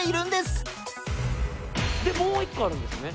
でもう一個あるんですね。